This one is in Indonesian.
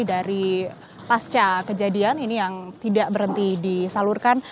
dari pasca kejadian ini yang tidak berhenti disalurkan